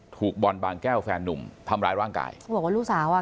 ถูกบอลบางแก้วแฟนนุ่มทำร้ายร่างกายเขาบอกว่าลูกสาวอ่ะ